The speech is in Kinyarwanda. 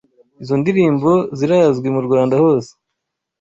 Izo ndirimbo zirazwi mu Rwanda hose